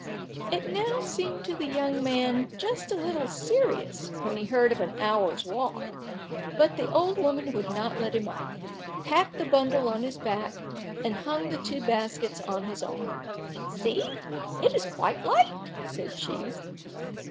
It now seemed to the young man just a little serious, when he heard of an hour's walk, but the old woman would not let him off, packed the bundle on his back, and hung the two baskets on his arm. "See, it is quite light," said she.